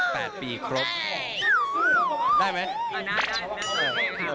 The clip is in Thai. ได้ไหมนะครับโอเคนี่ครับได้